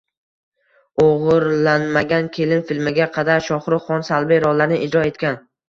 “O‘g‘irlanmagan kelin” filmiga qadar Shohrux Xon salbiy rollarni ijro etgan